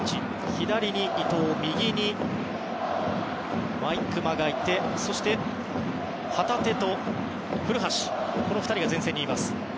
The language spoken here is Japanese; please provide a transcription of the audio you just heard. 左に伊東、右に毎熊がいてそして旗手と古橋の２人が前線にいます。